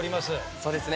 そうですね。